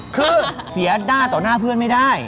คือเสียหน้าต่อหน้าเพื่อนไม่ได้